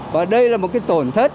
và đây là một cái tổn thất